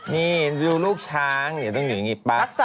นี่ดูลูกช้างอย่าต้องอยู่อย่างนี้ปั้ก